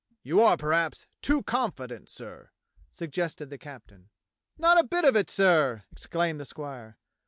"You are perhaps too confident, sir," suggested the captain. "Not a bit of it, sir," exclaimed the squire.